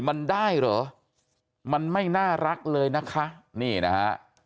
มันได้เหรอมันไม่น่ารักเลยนะคะนี่นะฮะ